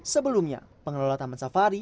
sebelumnya pengelola taman safari